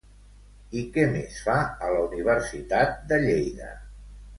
I què més fa a la Universitat de Lleida?